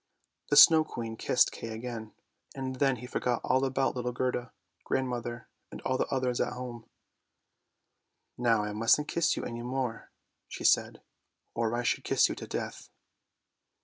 The Snow Queen kissed Kay again, and then he forgot all about little Gerda, Grandmother, and all the others at home. 192 ANDERSEN'S FAIRY TALES " Now I mustn't kiss you any more," she said " or I should kiss you to death!